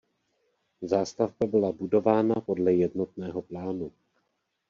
Zástavba byla budována podle jednotného plánu.